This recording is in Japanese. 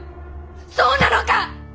そうなのか！？